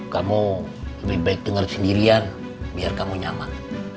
kamu lebih baik dengar sendirian biar kamu nyaman